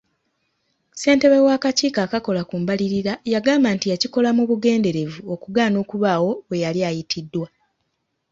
Ssentebe w'akakiiko akakola ku mbalirira yagamba nti yakikola mu bugenderevu okugaana okubaawo bwe yali ayitiddwa.